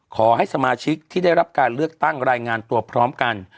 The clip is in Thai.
ขอให้สมาชิกที่ได้รับการเลือกตั้งรายงานตัวพร้อมกัน